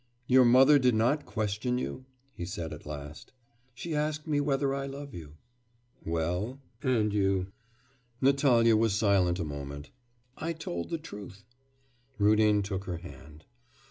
'Your mother did not question you?' he said at last. 'She asked me whether I love you.' 'Well... and you?' Natalya was silent a moment. 'I told the truth.' Rudin took her hand.